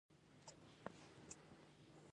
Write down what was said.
پرله پسې مې یو څو ژورې ساه ګانې واخیستې، آرام شوم.